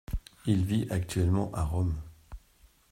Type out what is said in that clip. Il vit actuellement à Rome.